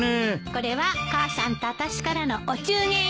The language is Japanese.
これは母さんとあたしからのお中元よ。